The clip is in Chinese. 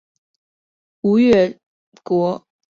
吴越国时复为钱唐县。